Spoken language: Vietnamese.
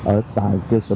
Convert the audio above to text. ở tài cơ sở một